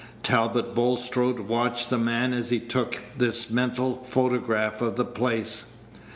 Talbot Bulstrode watched the man as he took this mental photograph of the place.